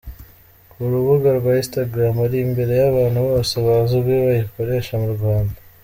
Ku rubuga rwa Instagram ari imbere y’abantu bose bazwi bayikoresha mu Rwanda.